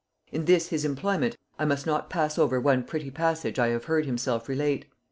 In this his employment I must not pass over one pretty passage I have heard himself relate.